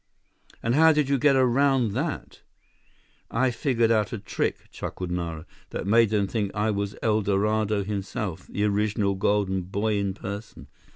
"And how did you get around that?" "I figured out a trick," chuckled Nara, "that made them think I was El Dorado himself, the original Golden Boy in person.